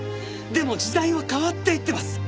でも時代は変わっていってます。